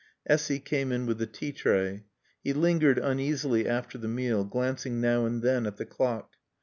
Essy came in with the tea tray. He lingered uneasily after the meal, glancing now and then at the clock.